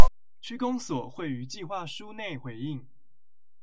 區公所會於計畫書內回應